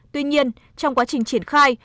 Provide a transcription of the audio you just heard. tuy nhiên trong quá trình triển khai